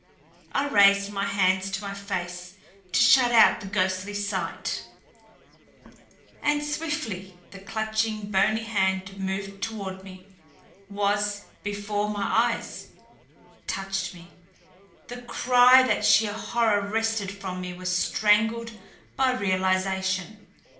I raised my hands to my face to shut out the ghostly sight and swiftly the clutching bony hand moved toward me was before my eyes touched me. The cry that sheer horror wrested from me was strangled by realization.